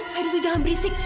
kak aido itu jangan berisik